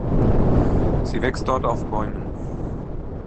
Sie wächst dort auf Bäumen.